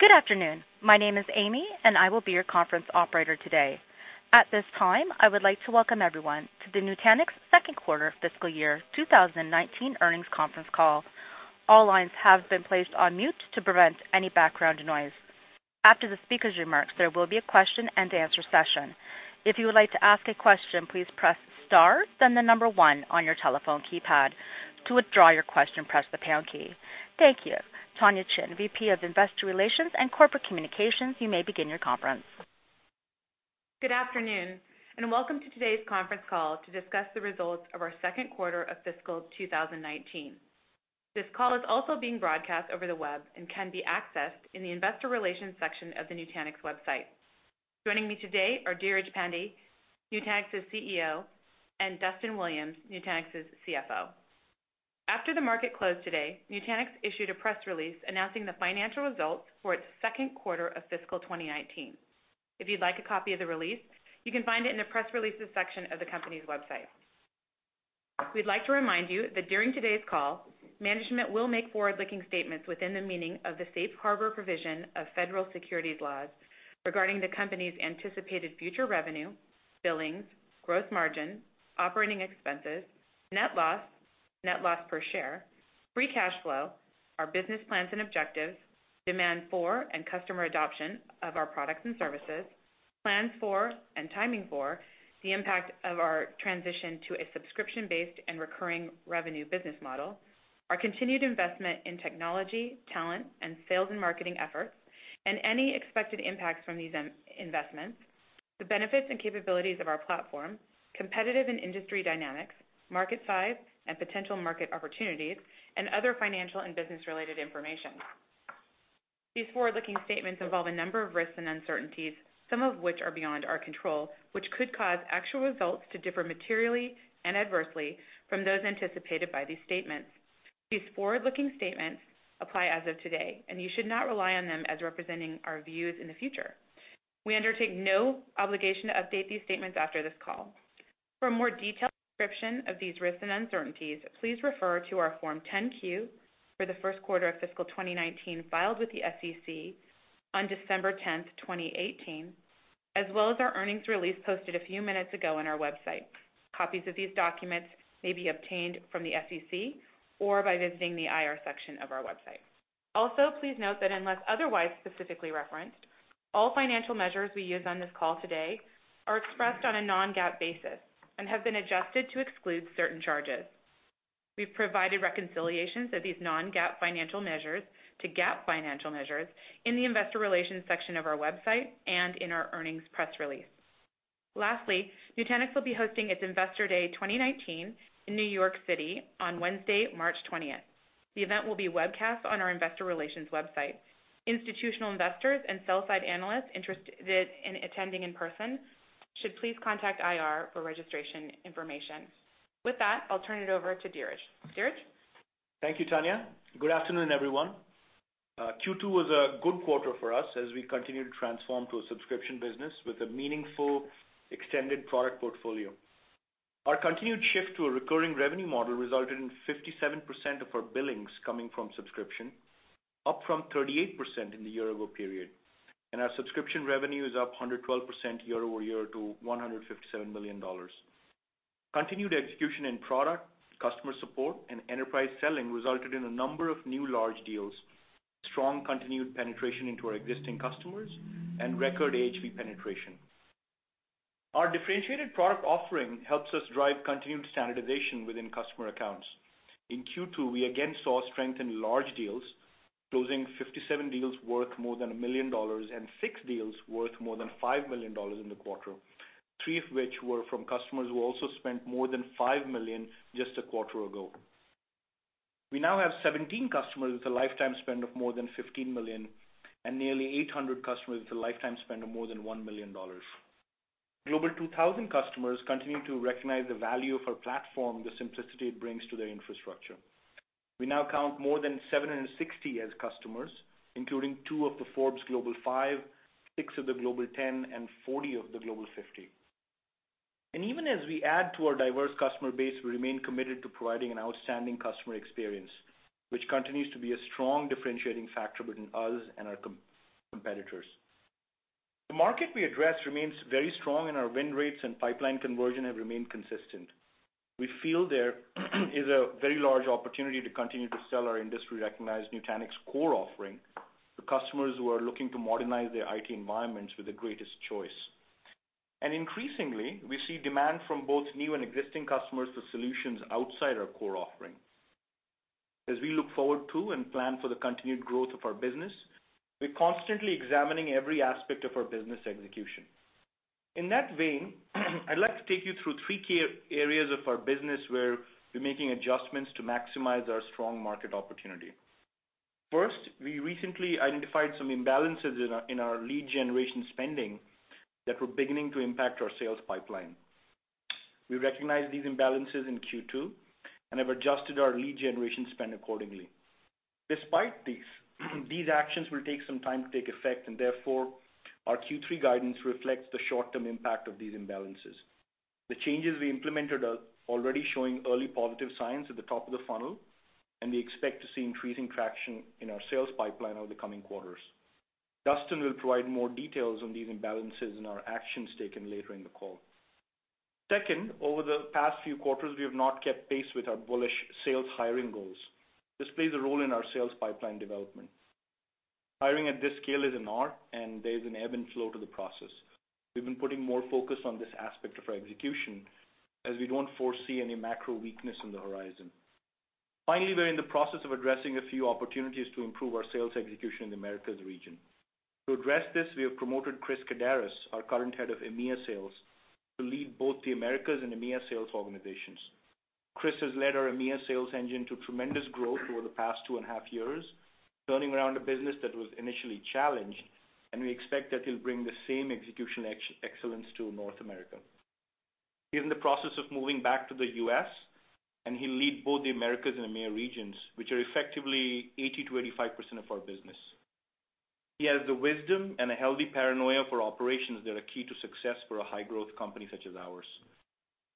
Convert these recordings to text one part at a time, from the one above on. Good afternoon. My name is Amy, and I will be your conference operator today. At this time, I would like to welcome everyone to the Nutanix second quarter fiscal year 2019 earnings conference call. All lines have been placed on mute to prevent any background noise. After the speaker's remarks, there will be a question and answer session. If you would like to ask a question, please press star then the number 1 on your telephone keypad. To withdraw your question, press the pound key. Thank you. Tonya Chin, VP of Investor Relations and Corporate Communications, you may begin your conference. Good afternoon, welcome to today's conference call to discuss the results of our second quarter of fiscal 2019. This call is also being broadcast over the web and can be accessed in the investor relations section of the nutanix website. Joining me today are Dheeraj Pandey, Nutanix's CEO, and Duston Williams, Nutanix's CFO. After the market closed today, Nutanix issued a press release announcing the financial results for its second quarter of fiscal 2019. If you'd like a copy of the release, you can find it in the press releases section of the company's website. We'd like to remind you that during today's call, management will make forward-looking statements within the meaning of the safe harbor provision of federal securities laws regarding the company's anticipated future revenue, billings, growth margin, operating expenses, net loss, net loss per share, free cash flow, our business plans and objectives, demand for and customer adoption of our products and services, plans for and timing for the impact of our transition to a subscription-based and recurring revenue business model, our continued investment in technology, talent, and sales and marketing efforts, and any expected impacts from these investments, the benefits and capabilities of our platform, competitive and industry dynamics, market size and potential market opportunities, and other financial and business-related information. These forward-looking statements involve a number of risks and uncertainties, some of which are beyond our control, which could cause actual results to differ materially and adversely from those anticipated by these statements. These forward-looking statements apply as of today, you should not rely on them as representing our views in the future. We undertake no obligation to update these statements after this call. For a more detailed description of these risks and uncertainties, please refer to our Form 10-Q for the first quarter of fiscal 2019 filed with the SEC on December 10th, 2018, as well as our earnings release posted a few minutes ago on our website. Copies of these documents may be obtained from the SEC or by visiting the IR section of our website. Also, please note that unless otherwise specifically referenced, all financial measures we use on this call today are expressed on a non-GAAP basis and have been adjusted to exclude certain charges. We've provided reconciliations of these non-GAAP financial measures to GAAP financial measures in the investor relations section of our website and in our earnings press release. Lastly, Nutanix will be hosting its Investor Day 2019 in New York City on Wednesday, March 20th. The event will be webcast on our investor relations website. Institutional investors and sell-side analysts interested in attending in person should please contact IR for registration information. With that, I'll turn it over to Dheeraj. Dheeraj? Thank you, Tonya. Good afternoon, everyone. Q2 was a good quarter for us as we continue to transform to a subscription business with a meaningful extended product portfolio. Our continued shift to a recurring revenue model resulted in 57% of our billings coming from subscription, up from 38% in the year-over period. Our subscription revenue is up 112% year-over-year to $157 million. Continued execution in product, customer support, and enterprise selling resulted in a number of new large deals, strong continued penetration into our existing customers, and record AHV penetration. Our differentiated product offering helps us drive continued standardization within customer accounts. In Q2, we again saw strength in large deals, closing 57 deals worth more than $1 million and 6 deals worth more than $5 million in the quarter, 3 of which were from customers who also spent more than $5 million just a quarter ago. We now have 17 customers with a lifetime spend of more than $15 million and nearly 800 customers with a lifetime spend of more than $1 million. Global 2000 customers continue to recognize the value of our platform, the simplicity it brings to their infrastructure. We now count more than 760 as customers, including 2 of the Forbes Global 5, 6 of the Global 10, and 40 of the Global 50. Even as we add to our diverse customer base, we remain committed to providing an outstanding customer experience, which continues to be a strong differentiating factor between us and our competitors. The market we address remains very strong, our win rates and pipeline conversion have remained consistent. We feel there is a very large opportunity to continue to sell our industry-recognized Nutanix Core offering to customers who are looking to modernize their IT environments with the greatest choice. Increasingly, we see demand from both new and existing customers for solutions outside our core offering. As we look forward to and plan for the continued growth of our business, we're constantly examining every aspect of our business execution. In that vein, I'd like to take you through 3 key areas of our business where we're making adjustments to maximize our strong market opportunity. First, we recently identified some imbalances in our lead generation spending that were beginning to impact our sales pipeline. We recognized these imbalances in Q2 and have adjusted our lead generation spend accordingly. Despite this, these actions will take some time to take effect, and therefore, our Q3 guidance reflects the short-term impact of these imbalances. The changes we implemented are already showing early positive signs at the top of the funnel, and we expect to see increasing traction in our sales pipeline over the coming quarters. Duston will provide more details on these imbalances and our actions taken later in the call. Second, over the past few quarters, we have not kept pace with our bullish sales hiring goals. This plays a role in our sales pipeline development. Hiring at this scale is an art, and there's an ebb and flow to the process. We've been putting more focus on this aspect of our execution as we don't foresee any macro weakness on the horizon. Finally, we're in the process of addressing a few opportunities to improve our sales execution in the Americas region. To address this, we have promoted Chris Kaddaras, our current head of EMEA sales, to lead both the Americas and EMEA sales organizations. Chris has led our EMEA sales engine to tremendous growth over the past two and a half years, turning around a business that was initially challenged, and we expect that he'll bring the same execution excellence to North America. He is in the process of moving back to the U.S., and he'll lead both the Americas and EMEA regions, which are effectively 80%-85% of our business. He has the wisdom and a healthy paranoia for operations that are key to success for a high-growth company such as ours.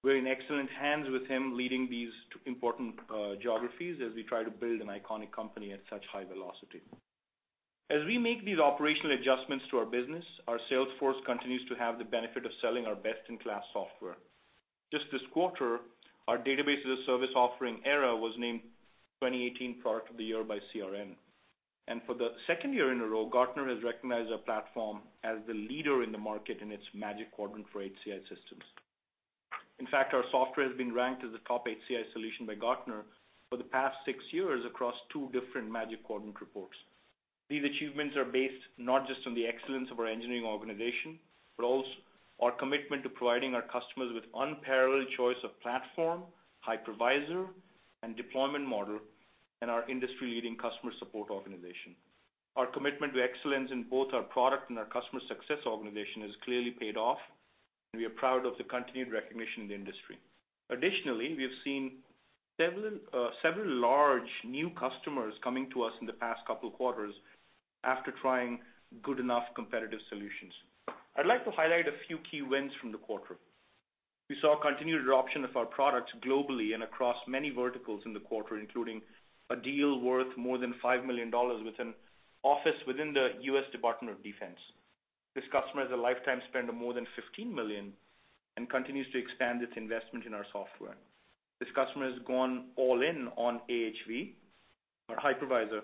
We're in excellent hands with him leading these two important geographies as we try to build an iconic company at such high velocity. As we make these operational adjustments to our business, our sales force continues to have the benefit of selling our best-in-class software. Just this quarter, our Database-as-a-Service offering, Era, was named 2018 Product of the Year by CRN. For the second year in a row, Gartner has recognized our platform as the leader in the market in its Magic Quadrant for HCI systems. In fact, our software has been ranked as a top HCI solution by Gartner for the past six years across two different Magic Quadrant reports. These achievements are based not just on the excellence of our engineering organization, but also our commitment to providing our customers with unparalleled choice of platform, hypervisor, and deployment model, and our industry-leading customer support organization. Our commitment to excellence in both our product and our customer success organization has clearly paid off, and we are proud of the continued recognition in the industry. Additionally, we have seen several large new customers coming to us in the past couple of quarters after trying good enough competitive solutions. I'd like to highlight a few key wins from the quarter. We saw continued adoption of our products globally and across many verticals in the quarter, including a deal worth more than $5 million with an office within the U.S. Department of Defense. This customer has a lifetime spend of more than $15 million and continues to expand its investment in our software. This customer has gone all in on AHV, our hypervisor,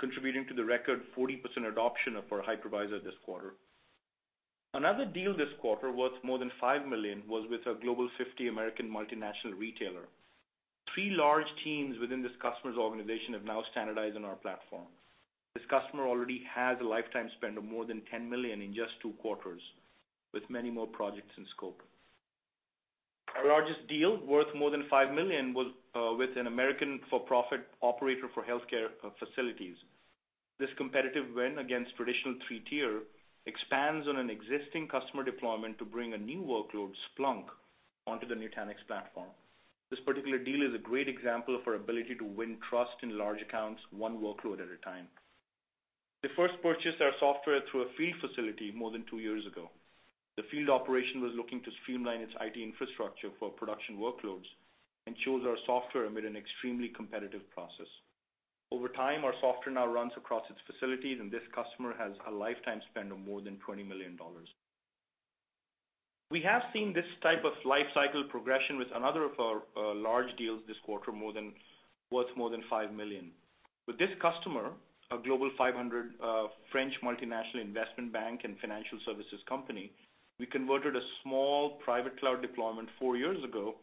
contributing to the record 40% adoption of our hypervisor this quarter. Another deal this quarter worth more than $5 million was with a Global 50 American multinational retailer. Three large teams within this customer's organization have now standardized on our platform. This customer already has a lifetime spend of more than $10 million in just two quarters, with many more projects in scope. Our largest deal, worth more than $5 million, was with an American for-profit operator for healthcare facilities. This competitive win against traditional three-tier expands on an existing customer deployment to bring a new workload, Splunk, onto the Nutanix platform. This particular deal is a great example of our ability to win trust in large accounts, one workload at a time. They first purchased our software through a field facility more than two years ago. The field operation was looking to streamline its IT infrastructure for production workloads and chose our software amid an extremely competitive process. Over time, our software now runs across its facilities, and this customer has a lifetime spend of more than $20 million. We have seen this type of life cycle progression with another of our large deals this quarter, worth more than $5 million. With this customer, a Global 500 French multinational investment bank and financial services company, we converted a small private cloud deployment four years ago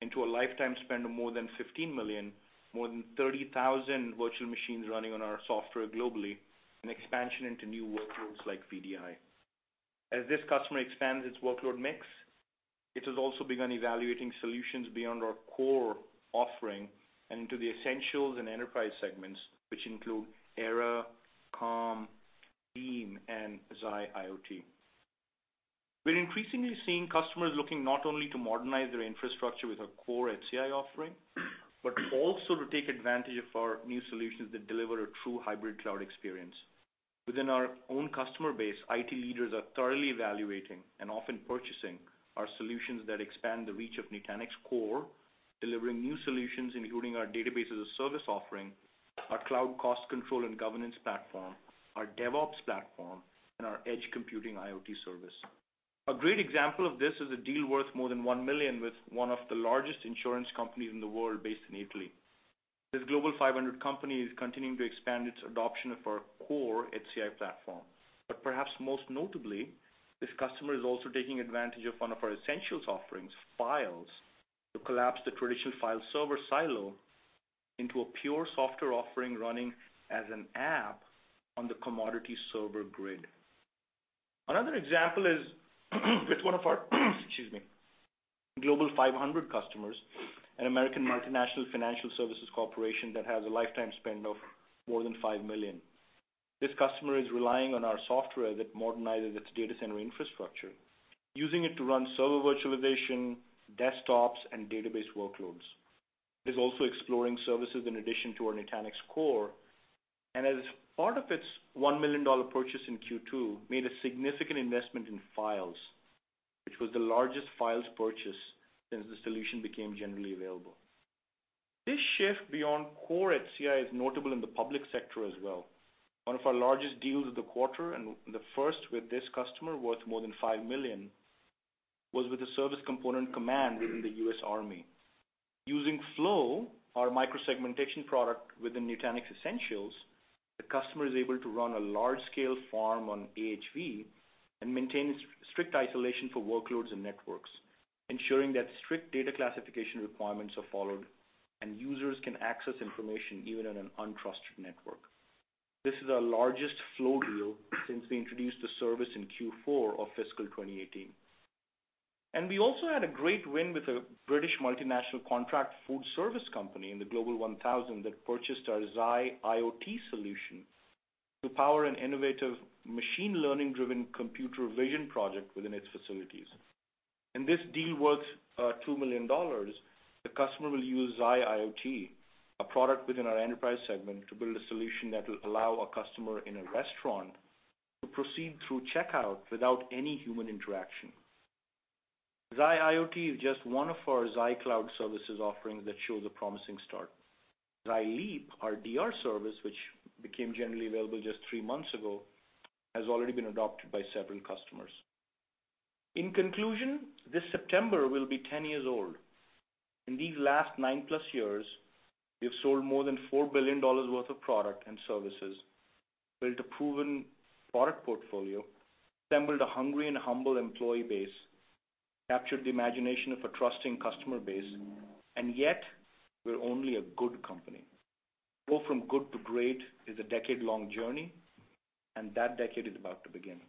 into a lifetime spend of more than $15 million, more than 30,000 virtual machines running on our software globally, and expansion into new workloads like VDI. As this customer expands its workload mix, it has also begun evaluating solutions beyond our core offering and into the Essentials and enterprise segments, which include Era, Calm, Beam, and Xi IoT. We're increasingly seeing customers looking not only to modernize their infrastructure with our core HCI offering, but also to take advantage of our new solutions that deliver a true hybrid cloud experience. Within our own customer base, IT leaders are thoroughly evaluating and often purchasing our solutions that expand the reach of Nutanix Core, delivering new solutions, including our Database-as-a-Service offering, our cloud cost control and governance platform, our DevOps platform, and our edge computing IoT service. A great example of this is a deal worth more than $1 million with one of the largest insurance companies in the world, based in Italy. This Global 500 company is continuing to expand its adoption of our core HCI platform. But perhaps most notably, this customer is also taking advantage of one of our Essentials offerings, Files, to collapse the traditional file server silo into a pure software offering running as an app on the commodity server grid. Another example is with one of our, excuse me, Global 500 customers, an American multinational financial services corporation that has a lifetime spend of more than $5 million. This customer is relying on our software that modernizes its data center infrastructure, using it to run server virtualization, desktops, and database workloads. It is also exploring services in addition to our Nutanix Core, and as part of its $1 million purchase in Q2, made a significant investment in Files, which was the largest Files purchase since the solution became generally available. This shift beyond core HCI is notable in the public sector as well. One of our largest deals of the quarter, and the first with this customer worth more than $5 million, was with the service component command within the U.S. Army. Using Flow, our microsegmentation product within Nutanix Essentials, the customer is able to run a large-scale farm on AHV and maintain strict isolation for workloads and networks, ensuring that strict data classification requirements are followed and users can access information even on an untrusted network. This is our largest Flow deal since we introduced the service in Q4 of fiscal 2018. We also had a great win with a British multinational contract food service company in the Global 1000 that purchased our Xi IoT solution to power an innovative machine learning-driven computer vision project within its facilities. In this deal worth $2 million, the customer will use Xi IoT, a product within our enterprise segment, to build a solution that will allow a customer in a restaurant to proceed through checkout without any human interaction. Xi IoT is just one of our Xi Cloud Services offerings that shows a promising start. Xi Leap, our DR service, which became generally available just three months ago, has already been adopted by several customers. In conclusion, this September we'll be 10 years old. In these last nine-plus years, we have sold more than $4 billion worth of product and services, built a proven product portfolio, assembled a hungry and humble employee base, captured the imagination of a trusting customer base. Yet we're only a good company. Go from good to great is a decade-long journey, that decade is about to begin.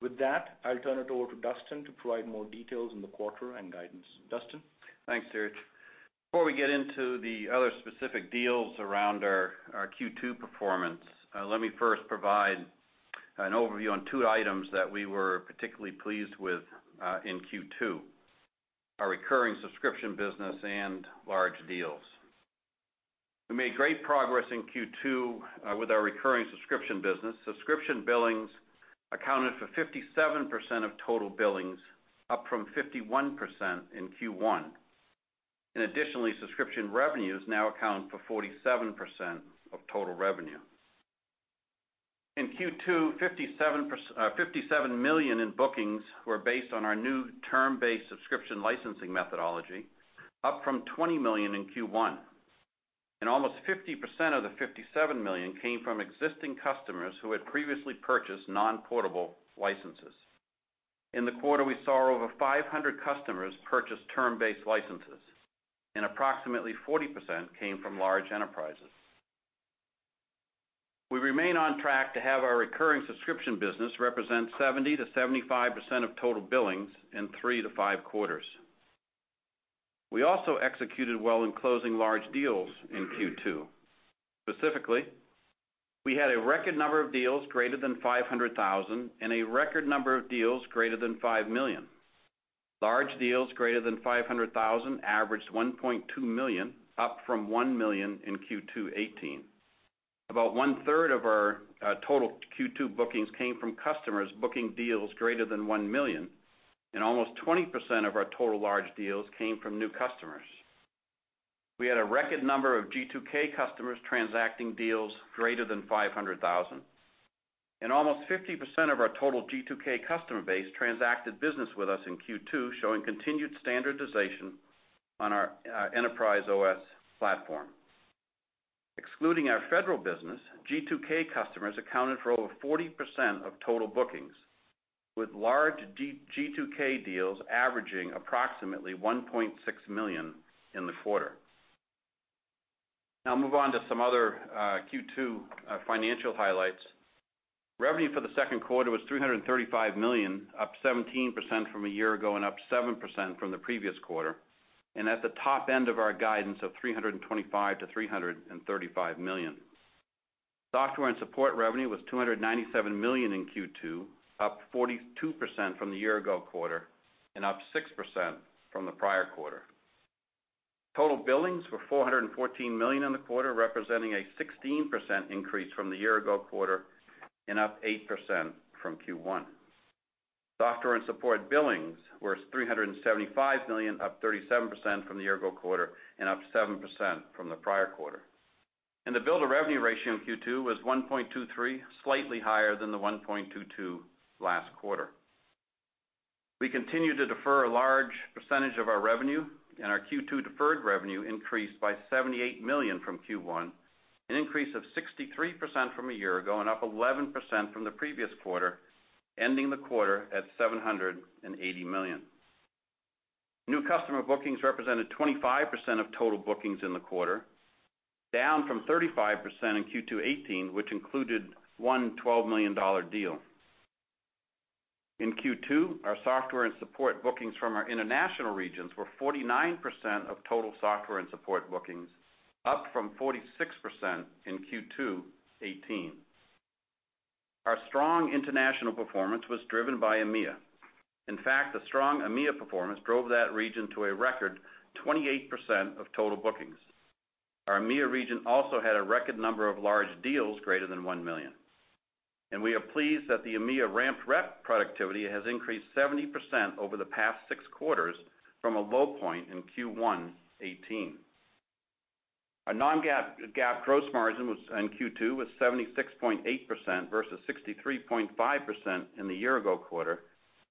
With that, I'll turn it over to Duston to provide more details on the quarter and guidance. Duston? Thanks, Dheeraj. Before we get into the other specific deals around our Q2 performance, let me first provide an overview on two items that we were particularly pleased with in Q2, our recurring subscription business and large deals. We made great progress in Q2 with our recurring subscription business. Subscription billings accounted for 57% of total billings, up from 51% in Q1. Additionally, subscription revenues now account for 47% of total revenue. In Q2, $57 million in bookings were based on our new term-based subscription licensing methodology, up from $20 million in Q1. Almost 50% of the $57 million came from existing customers who had previously purchased non-portable licenses. In the quarter, we saw over 500 customers purchase term-based licenses, and approximately 40% came from large enterprises. We remain on track to have our recurring subscription business represent 70%-75% of total billings in 3-5 quarters. We also executed well in closing large deals in 2Q. Specifically, we had a record number of deals greater than 500,000 and a record number of deals greater than $5 million. Large deals greater than 500,000 averaged $1.2 million, up from $1 million in 2Q 2018. About one-third of our total 2Q bookings came from customers booking deals greater than $1 million, and almost 20% of our total large deals came from new customers. We had a record number of G2K customers transacting deals greater than 500,000, and almost 50% of our total G2K customer base transacted business with us in 2Q, showing continued standardization on our Enterprise OS platform. Excluding our federal business, G2K customers accounted for over 40% of total bookings, with large G2K deals averaging approximately $1.6 million in the quarter. I'll move on to some other 2Q financial highlights. Revenue for the second quarter was $335 million, up 17% from a year ago and up 7% from the previous quarter, and at the top end of our guidance of $325 million-$335 million. Software and support revenue was $297 million in 2Q, up 42% from the year-ago quarter, up 6% from the prior quarter. Total billings were $414 million in the quarter, representing a 16% increase from the year-ago quarter, up 8% from 1Q. Software and support billings were $375 million, up 37% from the year-ago quarter, up 7% from the prior quarter. The bill to revenue ratio in 2Q was 1.23, slightly higher than the 1.22 last quarter. We continue to defer a large percentage of our revenue, our 2Q deferred revenue increased by $78 million from 1Q, an increase of 63% from a year ago and up 11% from the previous quarter, ending the quarter at $780 million. New customer bookings represented 25% of total bookings in the quarter, down from 35% in 2Q 2018, which included one $12 million deal. In 2Q, our software and support bookings from our international regions were 49% of total software and support bookings, up from 46% in 2Q 2018. Our strong international performance was driven by EMEA. In fact, the strong EMEA performance drove that region to a record 28% of total bookings. Our EMEA region also had a record number of large deals greater than $1 million. We are pleased that the EMEA ramped rep productivity has increased 70% over the past six quarters from a low point in 1Q 2018. Our non-GAAP gross margin in 2Q was 76.8% versus 63.5% in the year ago quarter,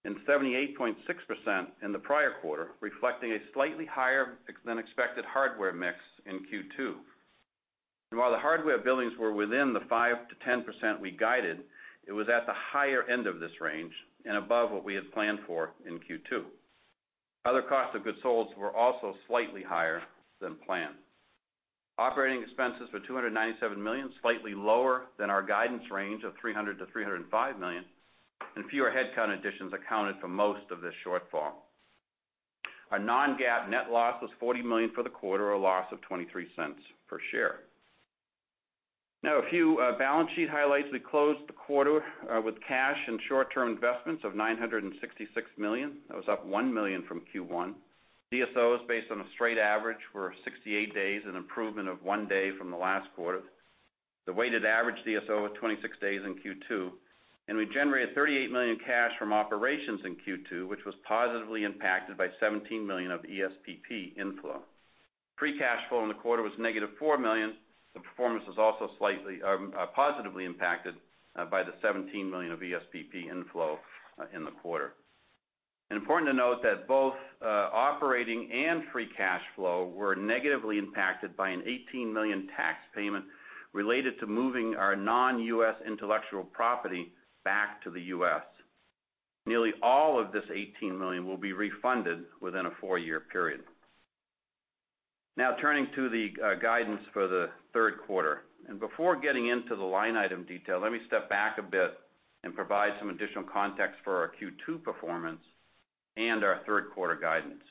78.6% in the prior quarter, reflecting a slightly higher than expected hardware mix in 2Q. While the hardware billings were within the 5%-10% we guided, it was at the higher end of this range and above what we had planned for in 2Q. Other cost of goods sold were also slightly higher than planned. Operating expenses were $297 million, slightly lower than our guidance range of $300 million-$305 million, fewer headcount additions accounted for most of this shortfall. Our non-GAAP net loss was $40 million for the quarter, a loss of $0.23 per share. A few balance sheet highlights. We closed the quarter with cash and short-term investments of $966 million. That was up $1 million from Q1. DSOs based on a straight average were 68 days, an improvement of one day from the last quarter. The weighted average DSO was 26 days in Q2, and we generated $38 million cash from operations in Q2, which was positively impacted by $17 million of ESPP inflow. Free cash flow in the quarter was negative $4 million. The performance was also positively impacted by the $17 million of ESPP inflow in the quarter. Important to note that both operating and free cash flow were negatively impacted by an $18 million tax payment related to moving our non-U.S. intellectual property back to the U.S. Nearly all of this $18 million will be refunded within a four-year period. Turning to the guidance for the third quarter. Before getting into the line item detail, let me step back a bit and provide some additional context for our Q2 performance and our third quarter guidance.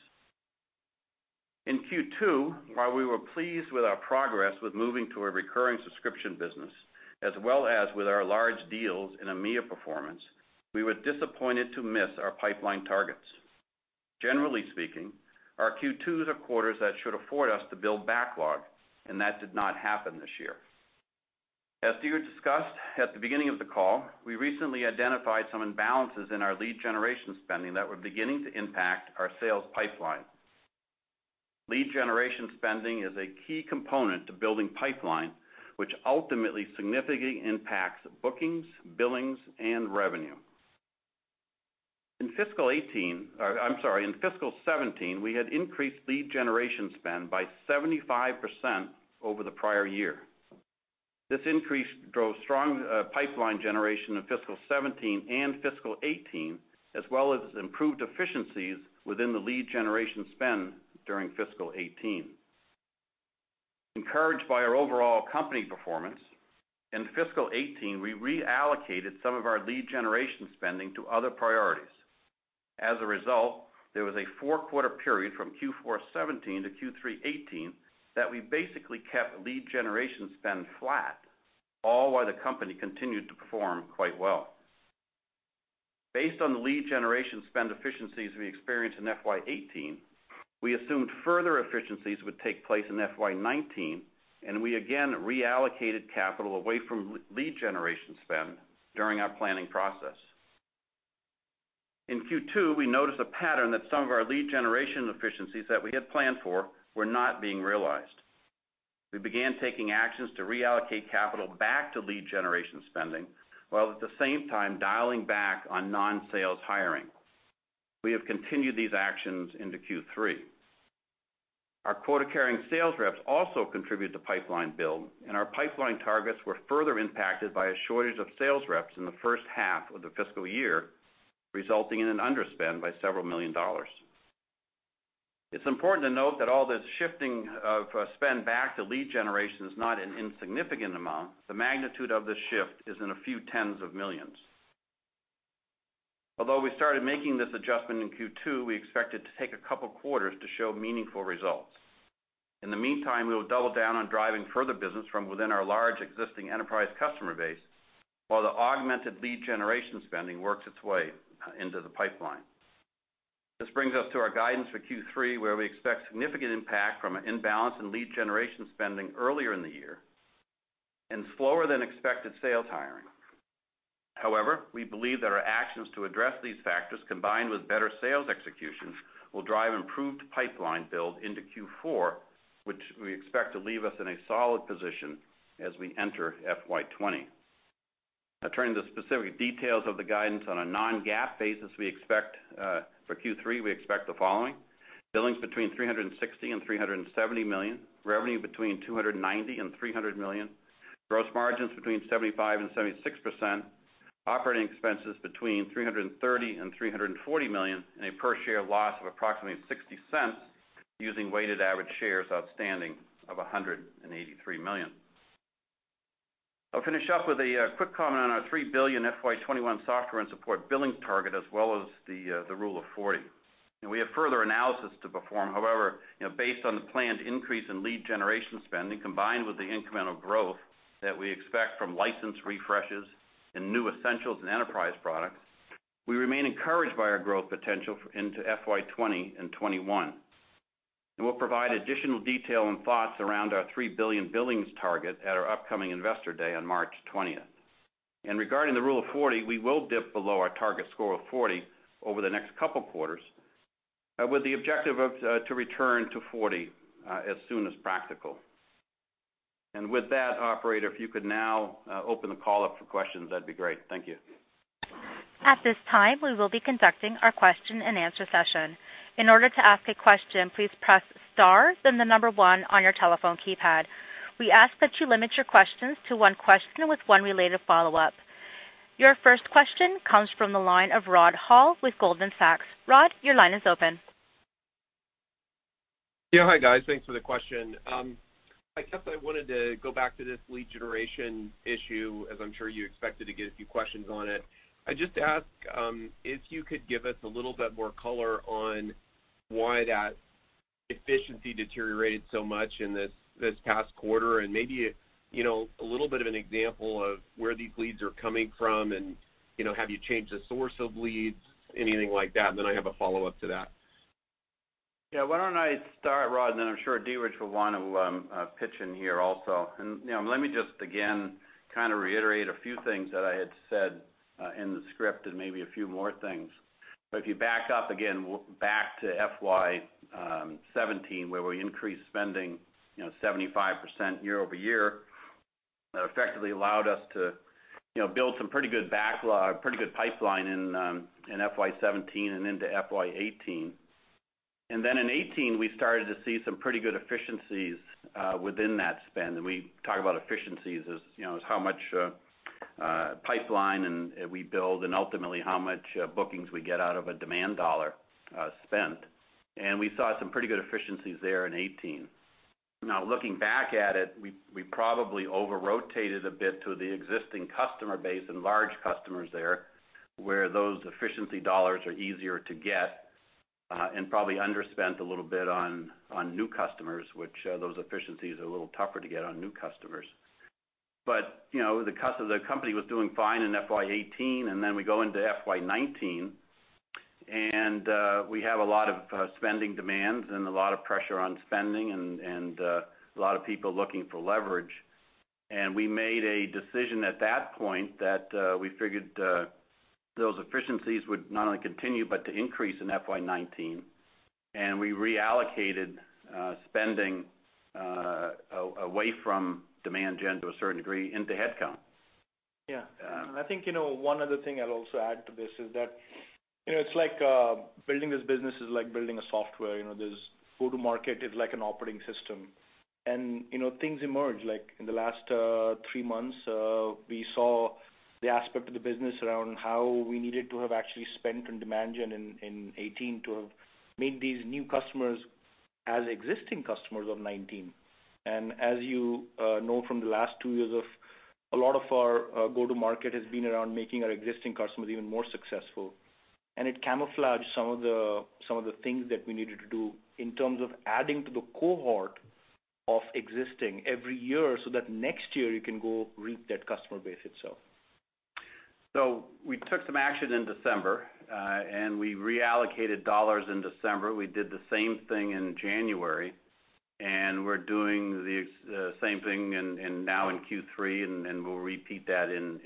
In Q2, while we were pleased with our progress with moving to a recurring subscription business, as well as with our large deals in EMEA performance, we were disappointed to miss our pipeline targets. Generally speaking, our Q2s are quarters that should afford us to build backlog, and that did not happen this year. As Dheeraj discussed at the beginning of the call, we recently identified some imbalances in our lead generation spending that were beginning to impact our sales pipeline. Lead generation spending is a key component to building pipeline, which ultimately significantly impacts bookings, billings, and revenue. In fiscal 2017, we had increased lead generation spend by 75% over the prior year. This increase drove strong pipeline generation in fiscal 2017 and fiscal 2018, as well as improved efficiencies within the lead generation spend during fiscal 2018. Encouraged by our overall company performance, in fiscal 2018, we reallocated some of our lead generation spending to other priorities. As a result, there was a four-quarter period from Q4 2017 to Q3 2018 that we basically kept lead generation spend flat, all while the company continued to perform quite well. Based on the lead generation spend efficiencies we experienced in FY 2018, we assumed further efficiencies would take place in FY 2019, and we again reallocated capital away from lead generation spend during our planning process. In Q2, we noticed a pattern that some of our lead generation efficiencies that we had planned for were not being realized. We began taking actions to reallocate capital back to lead generation spending, while at the same time dialing back on non-sales hiring. We have continued these actions into Q3. Our quota-carrying sales reps also contribute to pipeline build. Our pipeline targets were further impacted by a shortage of sales reps in the first half of the fiscal year, resulting in an underspend by several million dollars. It's important to note that all this shifting of spend back to lead generation is not an insignificant amount. The magnitude of this shift is in a few tens of millions. Although we started making this adjustment in Q2, we expect it to take a couple quarters to show meaningful results. In the meantime, we will double down on driving further business from within our large existing enterprise customer base, while the augmented lead generation spending works its way into the pipeline. This brings us to our guidance for Q3, where we expect significant impact from an imbalance in lead generation spending earlier in the year and slower than expected sales hiring. However, we believe that our actions to address these factors, combined with better sales execution, will drive improved pipeline build into Q4, which we expect to leave us in a solid position as we enter FY 2020. Turning to specific details of the guidance on a non-GAAP basis for Q3, we expect the following. Billings between $360 million and $370 million, revenue between $290 million and $300 million, gross margins between 75% and 76%, operating expenses between $330 million and $340 million, and a per-share loss of approximately $0.60 using weighted average shares outstanding of 183 million. I will finish up with a quick comment on our $3 billion FY 2021 software and support billing target, as well as the Rule of 40. We have further analysis to perform. However, based on the planned increase in lead generation spending, combined with the incremental growth that we expect from license refreshes and new Essentials and Enterprise products, we remain encouraged by our growth potential into FY 2020 and 2021. We will provide additional detail and thoughts around our $3 billion billings target at our upcoming Investor Day on March 20. Regarding the Rule of 40, we will dip below our target score of 40 over the next couple quarters, with the objective to return to 40 as soon as practical. With that, operator, if you could now open the call up for questions, that would be great. Thank you. At this time, we will be conducting our question and answer session. In order to ask a question, please press star then the number 1 on your telephone keypad. We ask that you limit your questions to one question with one related follow-up. Your first question comes from the line of Rod Hall with Goldman Sachs. Rod, your line is open. Hi, guys. Thanks for the question. I guess I wanted to go back to this lead generation issue, as I am sure you expected to get a few questions on it. I just ask if you could give us a little bit more color on why that efficiency deteriorated so much in this past quarter and maybe a little bit of an example of where these leads are coming from and have you changed the source of leads, anything like that? Then I have a follow-up to that. Why don't I start, Rod, then I'm sure Dheeraj will want to pitch in here also. Let me just again, kind of reiterate a few things that I had said, in the script and maybe a few more things. If you back up again, back to FY 2017 where we increased spending, 75% year-over-year, that effectively allowed us to build some pretty good backlog, pretty good pipeline in FY 2017 and into FY 2018. Then in 2018, we started to see some pretty good efficiencies within that spend. We talk about efficiencies as how much pipeline we build and ultimately how much bookings we get out of a demand dollar spent. We saw some pretty good efficiencies there in 2018. Now looking back at it, we probably over-rotated a bit to the existing customer base and large customers there, where those efficiency dollars are easier to get, and probably underspent a little bit on new customers, which those efficiencies are a little tougher to get on new customers. The company was doing fine in FY 2018, then we go into FY 2019 and we have a lot of spending demands and a lot of pressure on spending and a lot of people looking for leverage. We made a decision at that point that we figured those efficiencies would not only continue, but to increase in FY 2019. We reallocated spending away from demand gen to a certain degree into headcount. Yeah. I think, one other thing I'd also add to this is that, building this business is like building a software. There's go-to-market is like an operating system. Things emerge. Like in the last three months, we saw the aspect of the business around how we needed to have actually spent on demand gen in 2018 to have made these new customers as existing customers of 2019. As you know from the last two years of a lot of our go-to-market has been around making our existing customers even more successful. It camouflaged some of the things that we needed to do in terms of adding to the cohort of existing every year so that next year you can go reap that customer base itself. We took some action in December, we reallocated dollars in December. We did the same thing in January, we're doing the same thing now in Q3, we'll repeat that in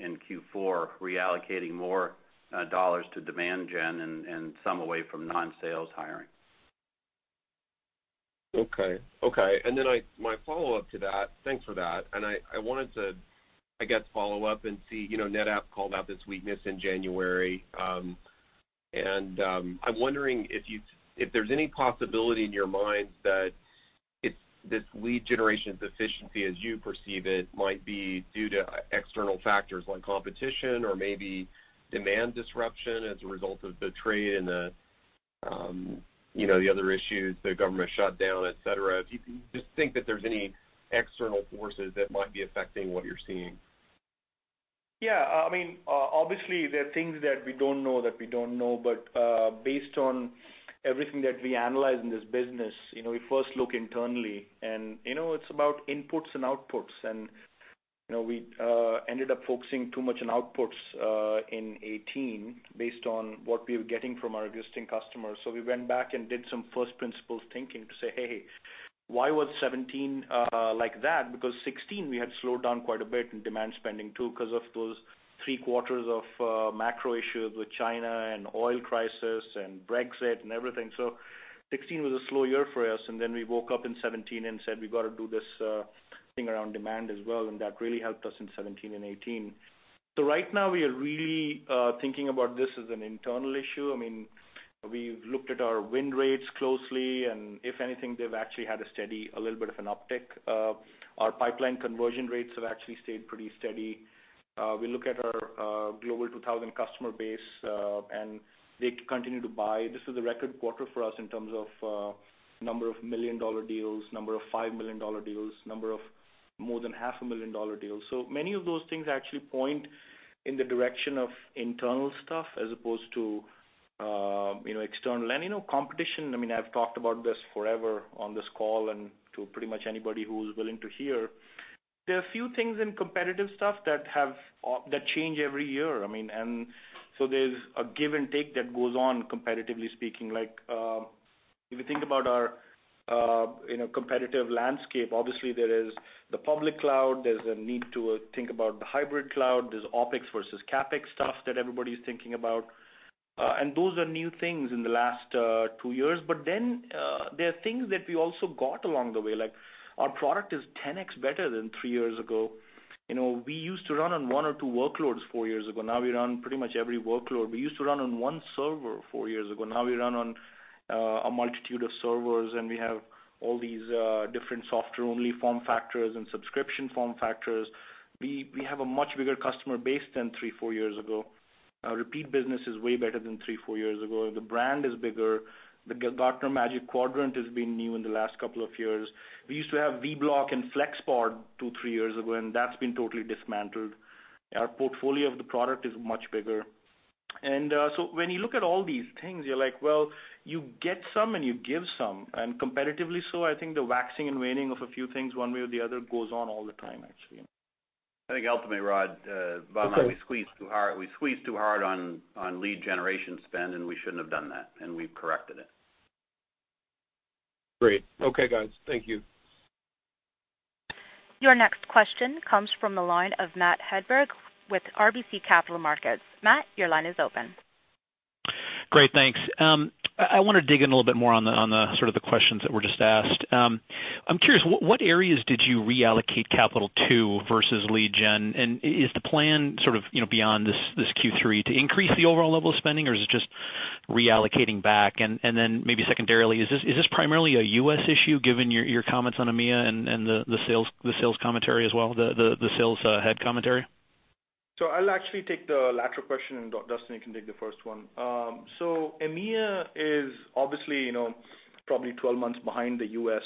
Q4, reallocating more dollars to demand gen and some away from non-sales hiring. Okay. My follow-up to that, thanks for that. NetApp called out this weakness in January. I'm wondering if there's any possibility in your mind that this lead generation deficiency, as you perceive it, might be due to external factors like competition or maybe demand disruption as a result of the trade and the other issues, the government shutdown, et cetera. Do you think that there's any external forces that might be affecting what you're seeing? Yeah. Obviously, there are things that we don't know that we don't know, but based on everything that we analyze in this business, we first look internally and it's about inputs and outputs, and we ended up focusing too much on outputs in 2018 based on what we were getting from our existing customers. We went back and did some first principles thinking to say, "Hey, why was 2017 like that?" Because 2016, we had slowed down quite a bit in demand spending too, because of those three quarters of macro issues with China and oil crisis and Brexit and everything. 2016 was a slow year for us, and then we woke up in 2017 and said, "We've got to do this thing around demand as well," and that really helped us in 2017 and 2018. Right now, we are really thinking about this as an internal issue. We've looked at our win rates closely, and if anything, they've actually had a steady, a little bit of an uptick. Our pipeline conversion rates have actually stayed pretty steady. We look at our Global 2000 customer base, and they continue to buy. This is a record quarter for us in terms of number of million-dollar deals, number of $5 million deals, number of more than half a million dollar deals. Many of those things actually point in the direction of internal stuff as opposed to external. Competition, I've talked about this forever on this call and to pretty much anybody who's willing to hear. There are a few things in competitive stuff that change every year. There's a give and take that goes on competitively speaking. If you think about our competitive landscape, obviously there is the public cloud, there's a need to think about the hybrid cloud. There's OpEx versus CapEx stuff that everybody's thinking about. Those are new things in the last two years. There are things that we also got along the way, like our product is 10X better than three years ago. We used to run on one or two workloads four years ago. Now we run pretty much every workload. We used to run on one server four years ago. Now we run on a multitude of servers, and we have all these different software-only form factors and subscription form factors. We have a much bigger customer base than three, four years ago. Our repeat business is way better than three, four years ago. The brand is bigger. The Gartner Magic Quadrant has been new in the last couple of years. We used to have Vblock and FlexPod two, three years ago. That's been totally dismantled. Our portfolio of the product is much bigger. When you look at all these things, you're like, well, you get some and you give some. Competitively so, I think the waxing and waning of a few things one way or the other goes on all the time, actually. I think ultimately, Rod, we squeezed too hard on lead generation spend, and we shouldn't have done that, and we've corrected it. Great. Okay, guys. Thank you. Your next question comes from the line of Matt Hedberg with RBC Capital Markets. Matt, your line is open. Great, thanks. I want to dig in a little bit more on the questions that were just asked. I'm curious, what areas did you reallocate capital to versus lead gen? Is the plan beyond this Q3 to increase the overall level of spending, or is it just reallocating back? Maybe secondarily, is this primarily a U.S. issue, given your comments on EMEA and the sales commentary as well, the sales head commentary? I'll actually take the latter question, and Duston can take the first one. EMEA is obviously probably 12 months behind the U.S.,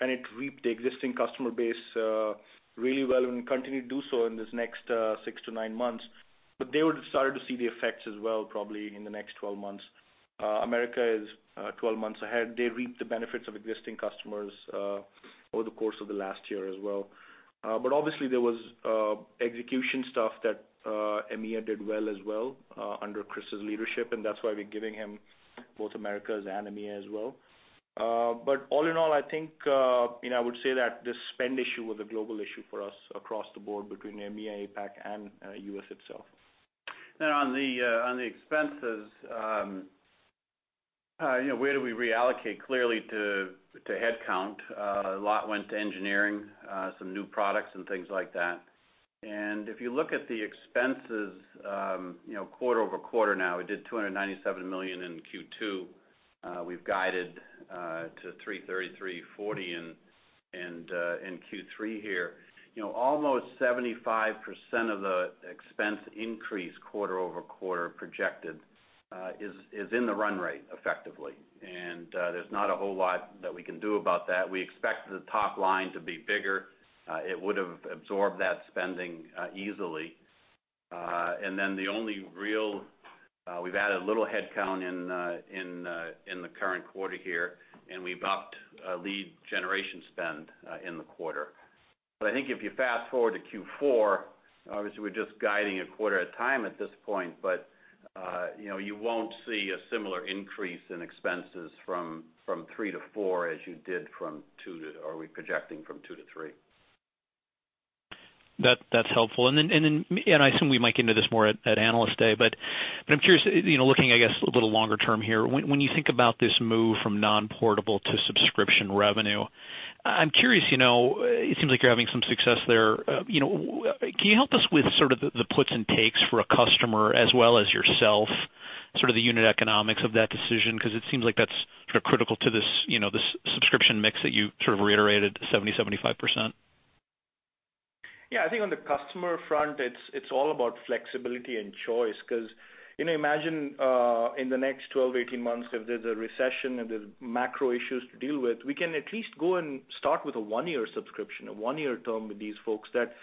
and it reaped the existing customer base really well and will continue to do so in this next 6 to 9 months. They will start to see the effects as well, probably in the next 12 months. America is 12 months ahead. They reaped the benefits of existing customers over the course of the last year as well. Obviously there was execution stuff that EMEA did well as well under Chris's leadership, and that's why we're giving him both Americas and EMEA as well. All in all, I think I would say that the spend issue was a global issue for us across the board between EMEA, APAC, and U.S. itself. On the expenses, where do we reallocate? Clearly to headcount. A lot went to engineering, some new products and things like that. If you look at the expenses quarter-over-quarter now, we did $297 million in Q2. We've guided to $330-$340 million in Q3 here. Almost 75% of the expense increase quarter-over-quarter projected is in the run rate effectively. There's not a whole lot that we can do about that. We expect the top line to be bigger. It would've absorbed that spending easily. We've added a little headcount in the current quarter here, and we've upped lead generation spend in the quarter. I think if you fast-forward to Q4, obviously we're just guiding a quarter at a time at this point, you won't see a similar increase in expenses from 3 to 4 as you did from 2 to 3. That's helpful. I assume we might get into this more at Analyst Day, but I'm curious, looking, I guess, a little longer term here, when you think about this move from non-portable to subscription revenue, I'm curious, it seems like you're having some success there. Can you help us with sort of the puts and takes for a customer as well as yourself, sort of the unit economics of that decision? Because it seems like that's critical to this subscription mix that you reiterated, 70%-75%. Yeah. I think on the customer front, it's all about flexibility and choice. Imagine in the next 12-18 months, if there's a recession and there's macro issues to deal with, we can at least go and start with a one-year subscription, a one-year term with these folks that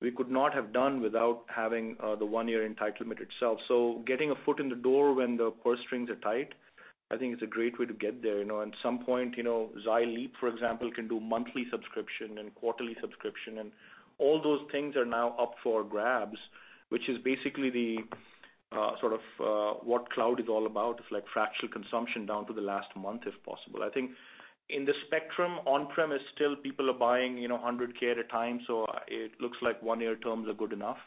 we could not have done without having the one-year entitlement itself. Getting a foot in the door when the purse strings are tight, I think it's a great way to get there. At some point, Era, for example, can do monthly subscription and quarterly subscription, and all those things are now up for grabs, which is basically what cloud is all about. It's like fractional consumption down to the last month, if possible. I think in the spectrum, on-premise still people are buying $100,000 at a time, so it looks like one-year terms are good enough.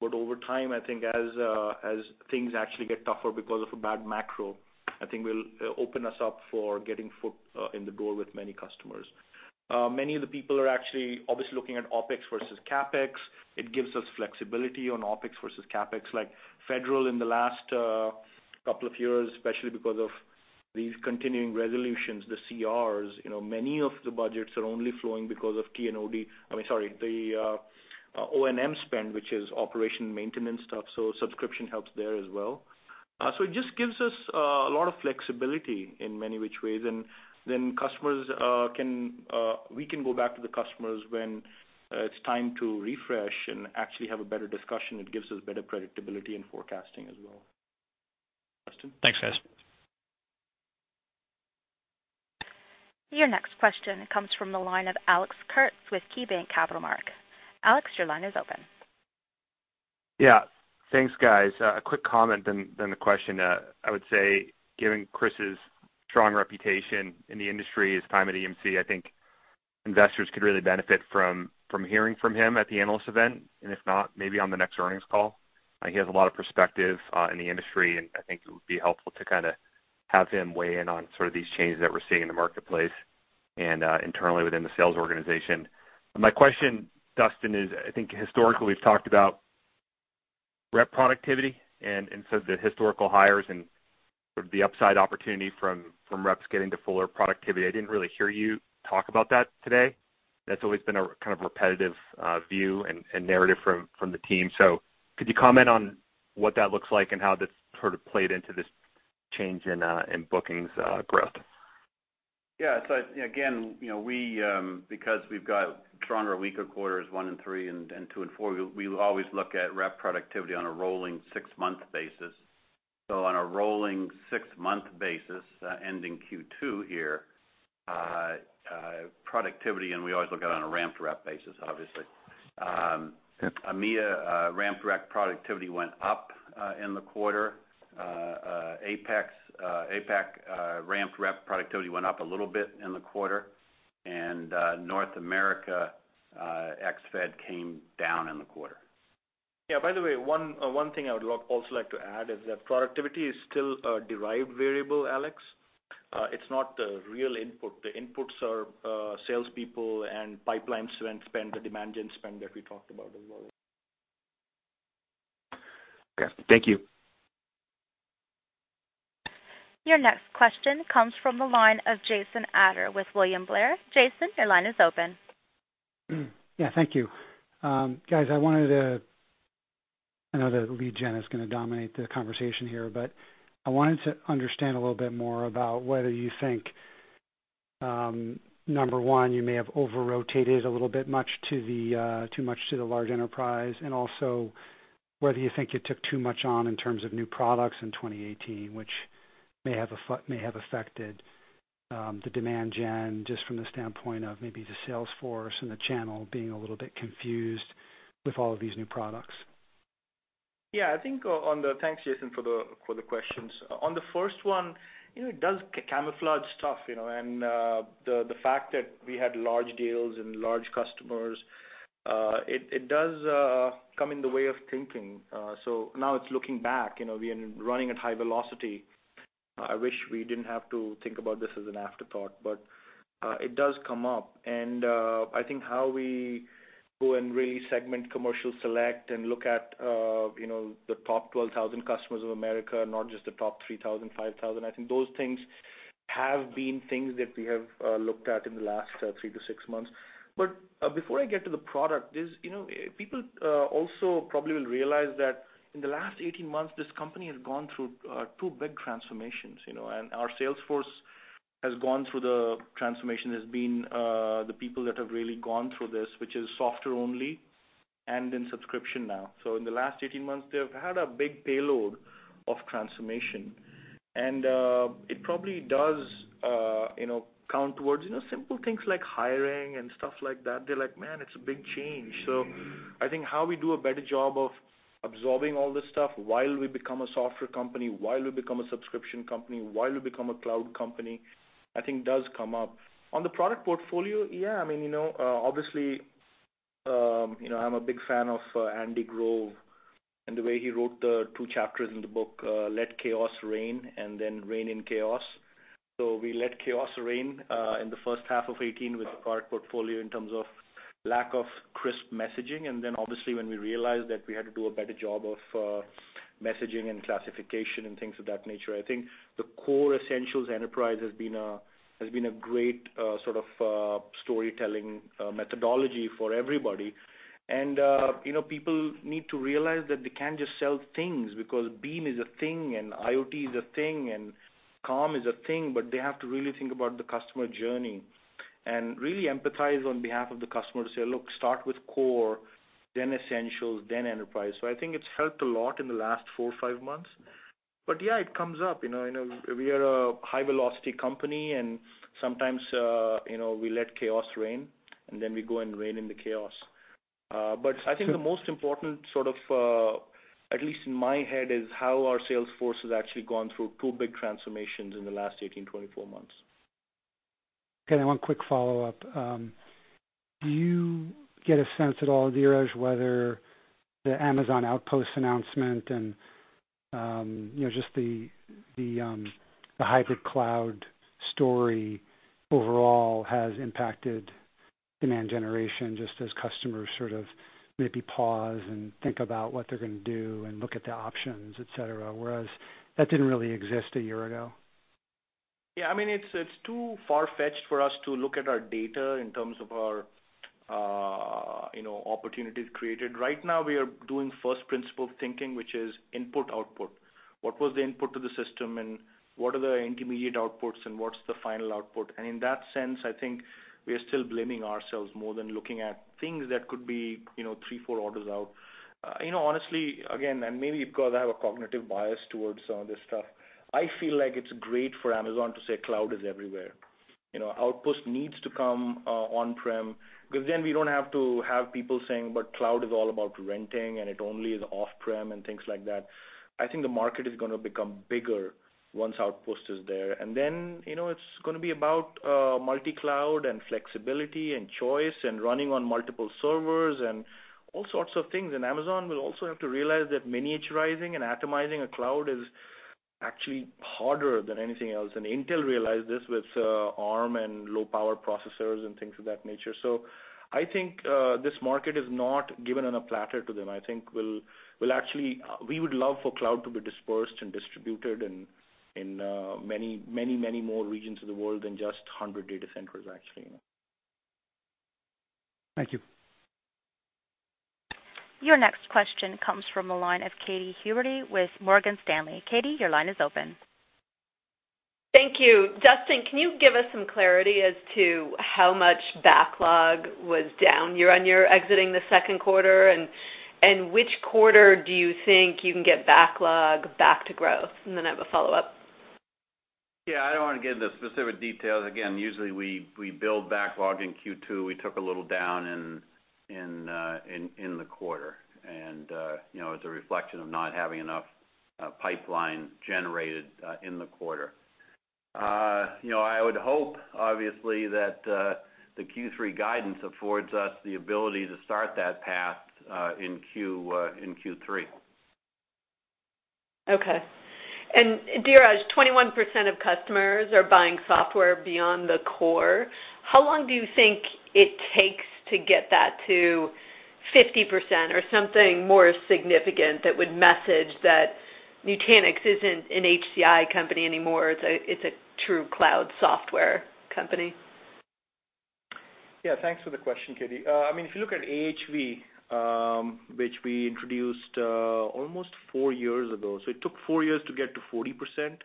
Over time, I think as things actually get tougher because of a bad macro, I think will open us up for getting foot in the door with many customers. Many of the people are actually obviously looking at OpEx versus CapEx. It gives us flexibility on OpEx versus CapEx, like federal in the last couple of years, especially because of these continuing resolutions, the CRs. Many of the budgets are only flowing because of O&M spend, which is operation and maintenance stuff. Subscription helps there as well. It just gives us a lot of flexibility in many which ways. Then we can go back to the customers when it's time to refresh and actually have a better discussion. It gives us better predictability and forecasting as well. Duston? Thanks, guys. Your next question comes from the line of Alex Kurtz with KeyBanc Capital Markets. Alex, your line is open. Yeah, thanks, guys. A quick comment, then the question. I would say, given Chris's strong reputation in the industry, his time at EMC, I think investors could really benefit from hearing from him at the analyst event, and if not, maybe on the next earnings call. He has a lot of perspective in the industry, and I think it would be helpful to have him weigh in on sort of these changes that we're seeing in the marketplace and internally within the sales organization. My question, Duston, is I think historically, we've talked about rep productivity and so the historical hires and sort of the upside opportunity from reps getting to fuller productivity. I didn't really hear you talk about that today. That's always been a kind of repetitive view and narrative from the team. Could you comment on what that looks like and how that's sort of played into this change in bookings growth? Yeah. Again, because we've got stronger weaker quarters, one and three and two and four, we always look at rep productivity on a rolling six-month basis. On a rolling six-month basis ending Q2 here, productivity, and we always look at it on a ramped rep basis, obviously. Yep. EMEA ramped rep productivity went up in the quarter. APAC ramped rep productivity went up a little bit in the quarter. North America ex Fed came down in the quarter. Yeah. By the way, one thing I would also like to add is that productivity is still a derived variable, Alex. It's not a real input. The inputs are salespeople and pipeline spend, the demand gen spend that we talked about as well. Okay. Thank you. Your next question comes from the line of Jason Ader with William Blair. Jason, your line is open. Thank you. Guys, I know that lead gen is going to dominate the conversation here, but I wanted to understand a little bit more about whether you think, number 1, you may have over-rotated a little bit too much to the large enterprise, and also whether you think you took too much on in terms of new products in 2018, which may have affected the demand gen just from the standpoint of maybe the sales force and the channel being a little bit confused with all of these new products. Thanks, Jason, for the questions. On the first one, it does camouflage stuff. The fact that we had large deals and large customers, it does come in the way of thinking. Now it's looking back, we are running at high velocity. I wish we didn't have to think about this as an afterthought, but it does come up. I think how we go and really segment commercial select and look at the top 12,000 customers of America, not just the top 3,000, 5,000. I think those things have been things that we have looked at in the last 3 to 6 months. Before I get to the product, people also probably will realize that in the last 18 months, this company has gone through two big transformations, and our sales force has gone through the transformation, has been the people that have really gone through this, which is software only and in subscription now. In the last 18 months, they've had a big payload of transformation. It probably does count towards simple things like hiring and stuff like that. They're like, "Man, it's a big change." I think how we do a better job of absorbing all this stuff while we become a software company, while we become a subscription company, while we become a cloud company, I think does come up. On the product portfolio, obviously, I'm a big fan of Andrew Grove and the way he wrote the two chapters in the book, "Let Chaos Reign" and then "Reign in Chaos." We let chaos reign in the first half of 2018 with the product portfolio in terms of lack of crisp messaging, and then obviously when we realized that we had to do a better job of messaging and classification and things of that nature. I think the Core Essentials Enterprise has been a great sort of storytelling methodology for everybody. People need to realize that they can't just sell things because Beam is a thing and IoT is a thing, and Calm is a thing, but they have to really think about the customer journey and really empathize on behalf of the customer to say, "Look, start with Core, then Essentials, then Enterprise." I think it's helped a lot in the last 4 or 5 months. Yeah, it comes up. We are a high-velocity company, and sometimes we let chaos reign, and then we go and reign in the chaos. I think the most important sort of, at least in my head, is how our sales force has actually gone through 2 big transformations in the last 18, 24 months. Okay. One quick follow-up. Do you get a sense at all, Dheeraj, whether the AWS Outposts announcement and just the hybrid cloud story overall has impacted demand generation just as customers sort of maybe pause and think about what they're going to do and look at the options, et cetera, whereas that didn't really exist 1 year ago? Yeah. It's too far-fetched for us to look at our data in terms of our opportunities created. Right now, we are doing first principle thinking, which is input-output. What was the input to the system, and what are the intermediate outputs and what's the final output? In that sense, I think we are still blaming ourselves more than looking at things that could be three, four orders out. Honestly, again, and maybe because I have a cognitive bias towards some of this stuff, I feel like it's great for Amazon to say cloud is everywhere. Outposts needs to come on-prem, because then we don't have to have people saying, "But cloud is all about renting, and it only is off-prem," and things like that. I think the market is going to become bigger once Outposts is there. Then it's going to be about multi-cloud and flexibility and choice and running on multiple servers and all sorts of things. Amazon will also have to realize that miniaturizing and atomizing a cloud is actually harder than anything else. Intel realized this with Arm and low power processors and things of that nature. I think this market is not given on a platter to them. I think we would love for cloud to be dispersed and distributed in many, many more regions of the world than just 100 data centers, actually. Thank you. Your next question comes from the line of Katy Huberty with Morgan Stanley. Katy, your line is open. Thank you. Duston, can you give us some clarity as to how much backlog was down year-on-year exiting the second quarter, and which quarter do you think you can get backlog back to growth? I have a follow-up. Yeah, I don't want to get into specific details. Again, usually we build backlog in Q2. We took a little down in the quarter. It's a reflection of not having enough pipeline generated in the quarter. I would hope, obviously, that the Q3 guidance affords us the ability to start that path in Q3. Dheeraj, 21% of customers are buying software beyond the core. How long do you think it takes to get that to 50% or something more significant that would message that Nutanix isn't an HCI company anymore, it's a true cloud software company? Thanks for the question, Katy. If you look at AHV, which we introduced almost 4 years ago, it took 4 years to get to 40%.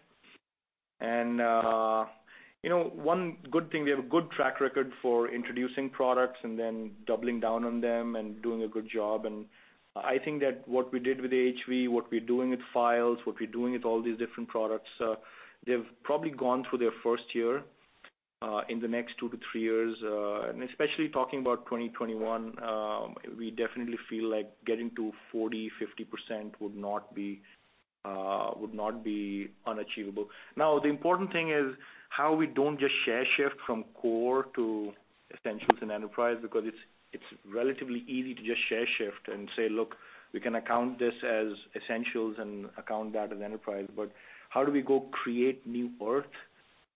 One good thing, we have a good track record for introducing products and then doubling down on them and doing a good job. I think that what we did with AHV, what we're doing with Files, what we're doing with all these different products, they've probably gone through their first year. In the next two to three years, especially talking about 2021, we definitely feel like getting to 40%, 50% would not be unachievable. The important thing is how we don't just share shift from core to essentials and enterprise because it's relatively easy to just share shift and say, "Look, we can account this as essentials and account that as enterprise." How do we go create new earth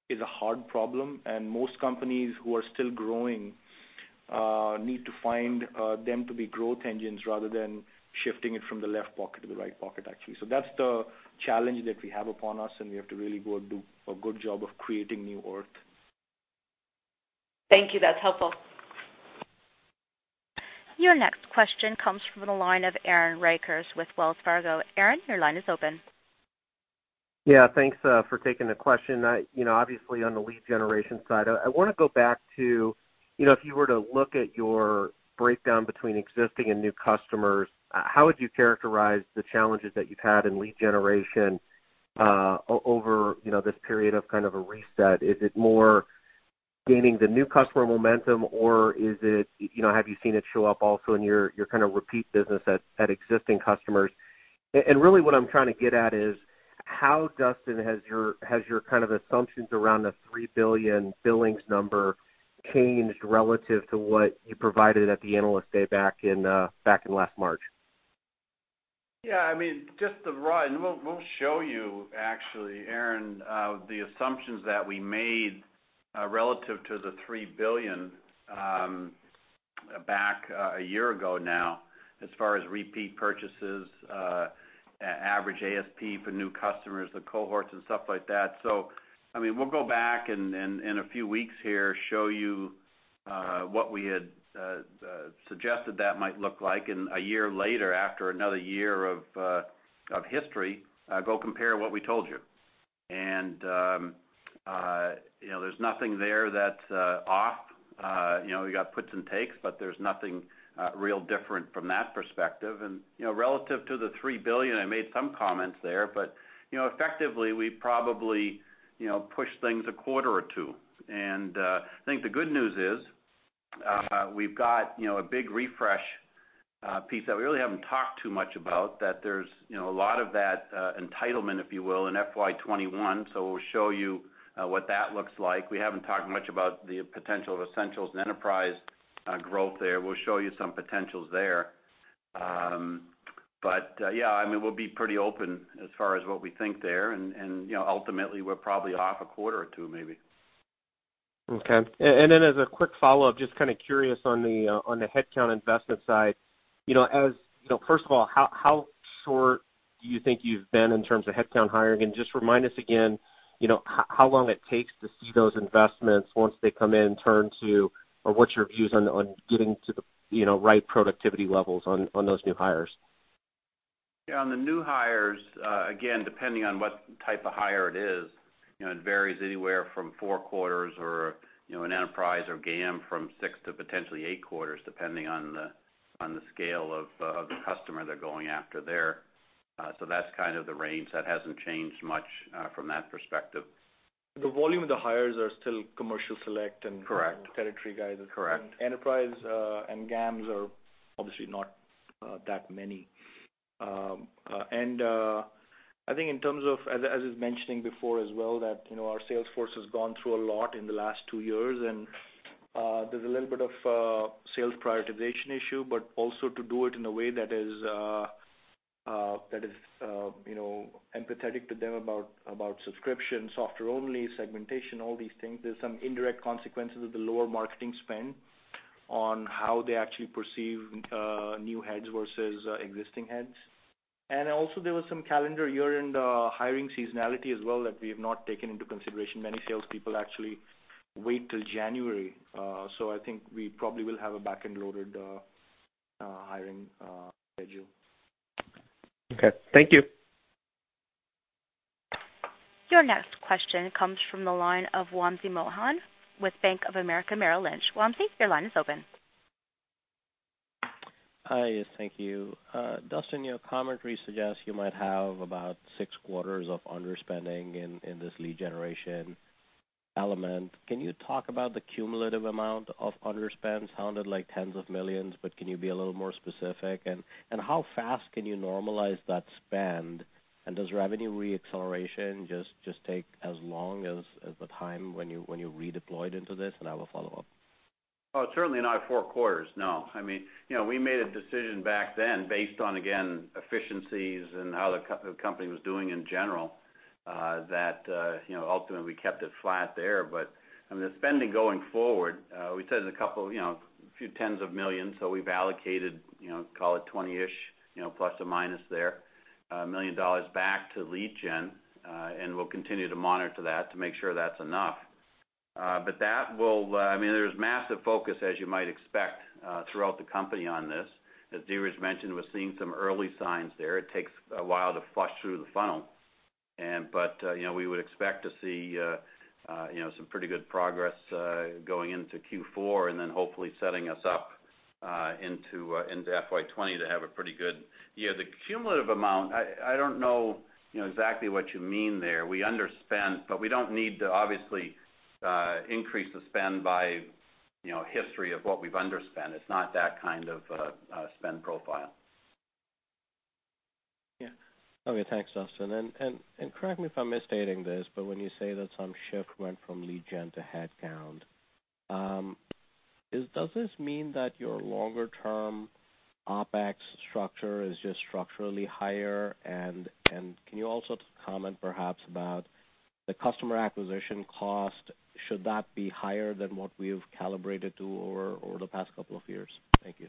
is a hard problem. Most companies who are still growing need to find them to be growth engines rather than shifting it from the left pocket to the right pocket, actually. That's the challenge that we have upon us, we have to really go and do a good job of creating new earth. Thank you. That's helpful. Your next question comes from the line of Aaron Rakers with Wells Fargo. Aaron, your line is open. Yeah. Thanks for taking the question. Obviously, on the lead generation side, I want to go back to if you were to look at your breakdown between existing and new customers, how would you characterize the challenges that you've had in lead generation over this period of kind of a reset? Is it more gaining the new customer momentum, or have you seen it show up also in your kind of repeat business at existing customers? Really what I'm trying to get at is how, Duston, has your kind of assumptions around the $3 billion billings number changed relative to what you provided at the Analyst Day back in last March? Yeah. We'll show you, actually, Aaron, the assumptions that we made relative to the $3 billion back a year ago now, as far as repeat purchases, average ASP for new customers, the cohorts and stuff like that. We'll go back in a few weeks here, show you what we had suggested that might look like in a year later after another year of history, go compare what we told you. There's nothing there that's off. We got puts and takes, but there's nothing real different from that perspective. Relative to the $3 billion, I made some comments there, but effectively, we probably pushed things a quarter or two. I think the good news is we've got a big refresh piece that we really haven't talked too much about, that there's a lot of that entitlement, if you will, in FY 2021. We'll show you what that looks like. We haven't talked much about the potential of Essentials and Enterprise growth there. We'll show you some potentials there. Yeah, we'll be pretty open as far as what we think there. Ultimately, we're probably off a quarter or two maybe. Okay. As a quick follow-up, just kind of curious on the headcount investment side. First of all, how short do you think you've been in terms of headcount hiring? And just remind us again how long it takes to see those investments once they come in turn to, or what's your views on getting to the right productivity levels on those new hires? Yeah, on the new hires, again, depending on what type of hire it is, it varies anywhere from four quarters or an enterprise or GAM from six to potentially eight quarters, depending on the scale of the customer they're going after there. That's kind of the range. That hasn't changed much from that perspective. The volume of the hires are still commercial select and Correct territory guys. Correct. Enterprise and GAMS are obviously not that many. I think in terms of, as I was mentioning before as well, that our sales force has gone through a lot in the last two years, and there's a little bit of a sales prioritization issue, but also to do it in a way that is empathetic to them about subscription, software only, segmentation, all these things. There's some indirect consequences of the lower marketing spend on how they actually perceive new heads versus existing heads. Also, there was some calendar year-end hiring seasonality as well that we have not taken into consideration. Many salespeople actually wait till January. I think we probably will have a back-end loaded hiring schedule. Okay. Thank you. Your next question comes from the line of Wamsi Mohan with Bank of America Merrill Lynch. Wamsi, your line is open. Hi. Thank you. Duston, your commentary suggests you might have about six quarters of underspending in this lead generation element. Can you talk about the cumulative amount of underspend? Sounded like tens of millions, but can you be a little more specific, and how fast can you normalize that spend? Does revenue re-acceleration just take as long as the time when you redeployed into this? I have a follow-up. Oh, certainly not four quarters, no. We made a decision back then based on, again, efficiencies and how the company was doing in general, that ultimately we kept it flat there. The spending going forward, we said a few tens of millions. We've allocated, call it 20-ish, plus or minus there, $1 million back to lead gen. We'll continue to monitor that to make sure that's enough. There's massive focus, as you might expect, throughout the company on this. As Dheeraj mentioned, we're seeing some early signs there. It takes a while to flush through the funnel. We would expect to see some pretty good progress going into Q4, and then hopefully setting us up into FY 2020 to have a pretty good. The cumulative amount, I don't know exactly what you mean there. We underspent, but we don't need to obviously increase the spend by history of what we've underspent. It's not that kind of spend profile. Yeah. Okay. Thanks, Duston. Correct me if I'm misstating this, but when you say that some shift went from lead gen to headcount, does this mean that your longer term OpEx structure is just structurally higher? Can you also comment perhaps about the customer acquisition cost? Should that be higher than what we've calibrated to over the past couple of years? Thank you.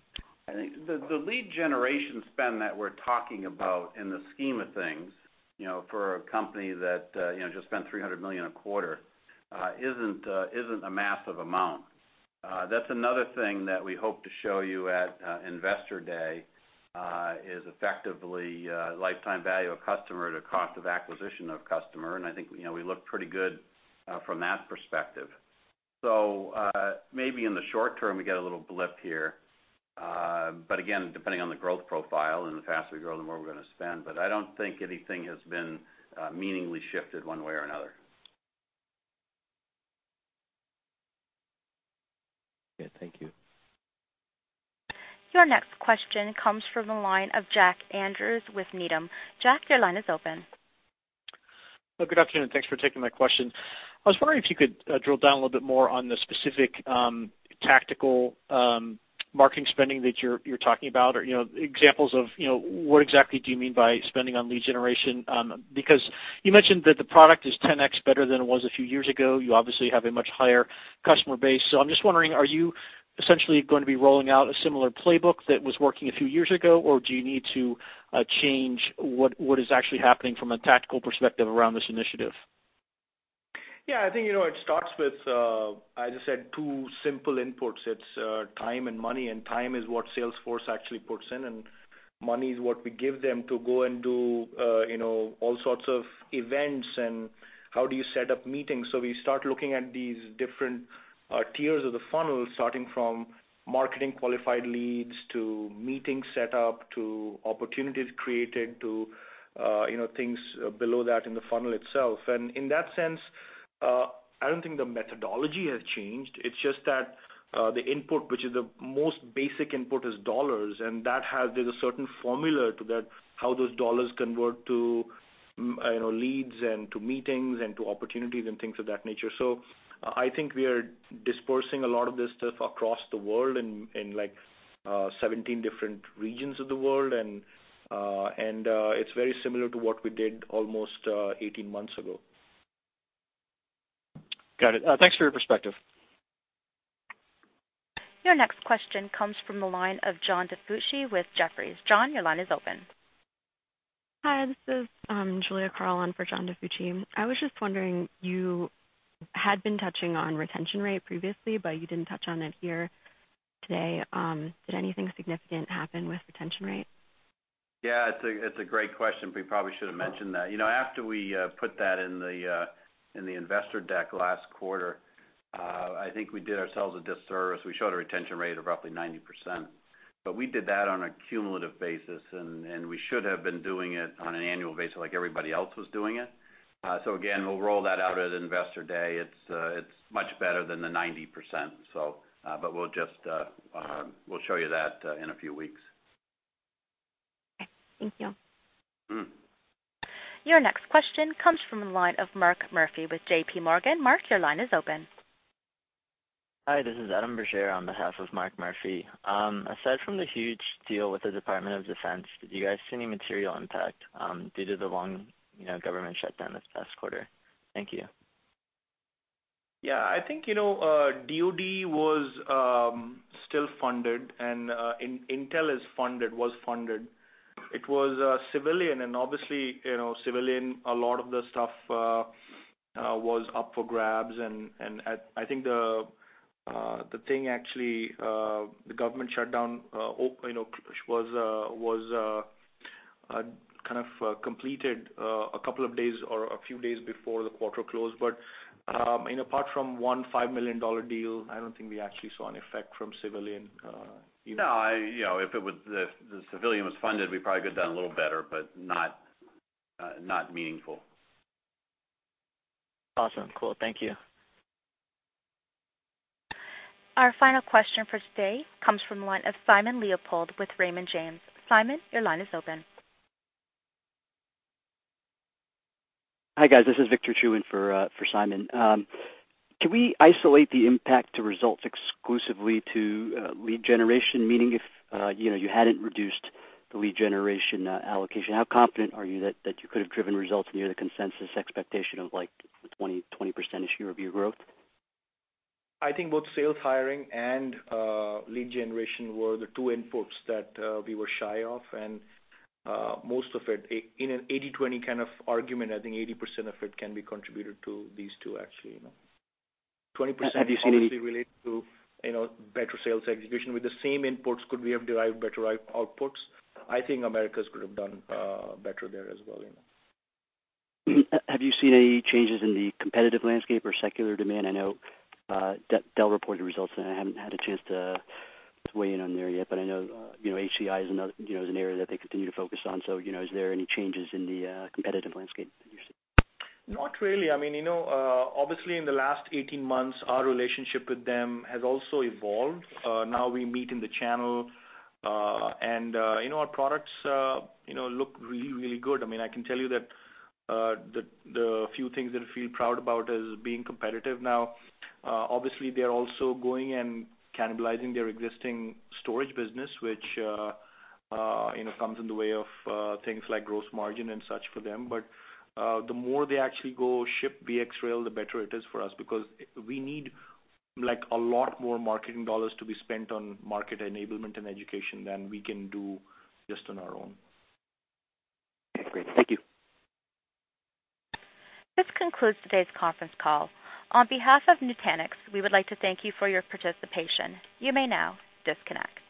I think the lead generation spend that we're talking about in the scheme of things, for a company that just spent $300 million a quarter, isn't a massive amount. That's another thing that we hope to show you at Investor Day, is effectively lifetime value of customer to cost of acquisition of customer, I think we look pretty good from that perspective. Maybe in the short term, we get a little blip here. Again, depending on the growth profile, the faster we grow, the more we're going to spend. I don't think anything has been meaningfully shifted one way or another. Okay, thank you. Your next question comes from the line of Jack Andrews with Needham. Jack, your line is open. Good afternoon. Thanks for taking my question. I was wondering if you could drill down a little bit more on the specific tactical marketing spending that you're talking about, or examples of what exactly do you mean by spending on lead generation? Because you mentioned that the product is 10X better than it was a few years ago. You obviously have a much higher customer base. I'm just wondering, are you essentially going to be rolling out a similar playbook that was working a few years ago, or do you need to change what is actually happening from a tactical perspective around this initiative? Yeah, I think it starts with, as I said, two simple inputs. It's time and money, and time is what sales force actually puts in, and money is what we give them to go and do all sorts of events and how do you set up meetings. We start looking at these different tiers of the funnel, starting from marketing qualified leads to meeting set up to opportunities created to things below that in the funnel itself. In that sense, I don't think the methodology has changed. It's just that the input, which is the most basic input, is dollars, and there's a certain formula to that, how those dollars convert to leads and to meetings and to opportunities and things of that nature. I think we are dispersing a lot of this stuff across the world in 17 different regions of the world, and it's very similar to what we did almost 18 months ago. Got it. Thanks for your perspective. Your next question comes from the line of John DiFucci with Jefferies. John, your line is open. Hi, this is Julia Carl on for John DiFucci. I was just wondering, you had been touching on retention rate previously, you didn't touch on it here today. Did anything significant happen with retention rate? It's a great question. We probably should have mentioned that. After we put that in the investor deck last quarter, I think we did ourselves a disservice. We showed a retention rate of roughly 90%, we did that on a cumulative basis, and we should have been doing it on an annual basis like everybody else was doing it. Again, we'll roll that out at Investor Day. It's much better than the 90%, we'll show you that in a few weeks. Okay. Thank you. Your next question comes from the line of Mark Murphy with J.P. Morgan. Mark, your line is open. Hi, this is Adam Brasher on behalf of Mark Murphy. Aside from the huge deal with the Department of Defense, did you guys see any material impact due to the long government shutdown this past quarter? Thank you. Yeah, I think DoD was still funded, and Intel was funded. It was civilian, and obviously, civilian, a lot of the stuff was up for grabs, and I think the government shutdown was kind of completed a couple of days or a few days before the quarter closed. Apart from one $5 million deal, I don't think we actually saw an effect from civilian. No, if the civilian was funded, we probably could've done a little better, but not meaningful. Awesome. Cool. Thank you. Our final question for today comes from one of Simon Leopold with Raymond James. Simon, your line is open. Hi, guys. This is Victor Chiu in for Simon. Can we isolate the impact to results exclusively to lead generation? Meaning if you hadn't reduced the lead generation allocation, how confident are you that you could have driven results near the consensus expectation of 20%-ish year-over-year growth? I think both sales hiring and lead generation were the two inputs that we were shy of. Most of it, in an 80/20 kind of argument, I think 80% of it can be contributed to these two actually. 20% obviously related to better sales execution. With the same inputs, could we have derived better outputs? I think Americas could have done better there as well. Have you seen any changes in the competitive landscape or secular demand? I know Dell reported results. I haven't had a chance to weigh in on there yet, but I know HCI is an area that they continue to focus on. Are there any changes in the competitive landscape that you're seeing? Not really. Obviously, in the last 18 months, our relationship with them has also evolved. Now we meet in the channel. Our products look really, really good. I can tell you that the few things that I feel proud about is being competitive now. Obviously, they are also going and cannibalizing their existing storage business, which comes in the way of things like gross margin and such for them. The more they actually go ship VxRail, the better it is for us because we need a lot more marketing dollars to be spent on market enablement and education than we can do just on our own. Okay, great. Thank you. This concludes today's conference call. On behalf of Nutanix, we would like to thank you for your participation. You may now disconnect.